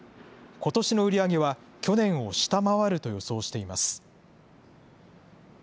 ことしの売り上げは去年を下回ると予想しています。